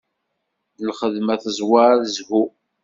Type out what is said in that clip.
Lxedma tezwar zzhu.